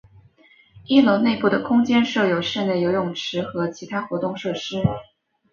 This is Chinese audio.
一楼内部的空间设有室内游泳池和其他活动设施。